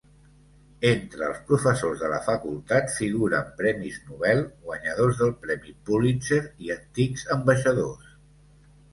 Entre els professors de la facultat figuren premis Nobel, guanyadors del premi Pulitzer i antics ambaixadors.